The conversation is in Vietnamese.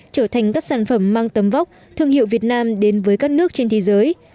trở thành các sản phẩm mang tầm vóc thương hiệu việt nam đến với các nước trên thế giới